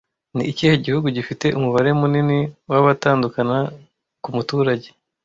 Ni ikihe gihugu gifite umubare munini w'abatandukana ku muturage